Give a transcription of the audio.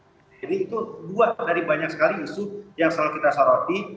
jadi itu dua dari banyak sekali isu yang selalu kita saroti